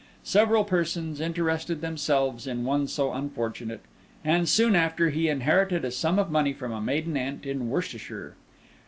Several persons interested themselves in one so unfortunate; and soon after he inherited a sum of money from a maiden aunt in Worcestershire.